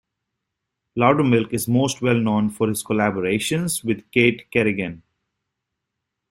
Lowdermilk is most well known for his collaborations with Kait Kerrigan.